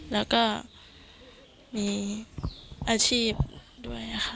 แล้วก็มีอาชีพด้วยค่ะ